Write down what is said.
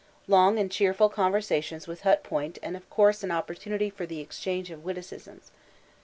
Long and cheerful conversations with Hut Point and of course an opportunity for the exchange of witticisms.